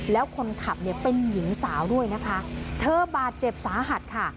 แล้วคนขับเนี่ยเป็นหญิงสาวด้วยนะคะเธอบาดเจ็บสาหัสค่ะ